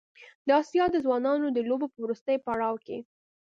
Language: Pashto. د اسیا د ځوانانو د لوبو په وروستي پړاو کې